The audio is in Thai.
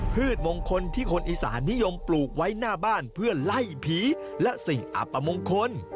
พืชมงคลที่คนอีสานนิยมปลูกไว้หน้าบ้านเพื่อไล่ผีและสิ่งอัปมงคล